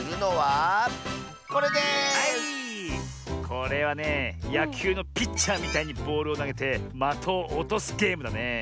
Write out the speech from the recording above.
これはねやきゅうのピッチャーみたいにボールをなげてまとをおとすゲームだねえ。